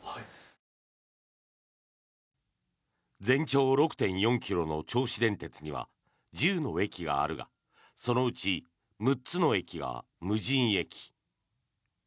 全長６．４ｋｍの銚子電鉄には１０の駅があるがそのうち６つの駅が無人駅。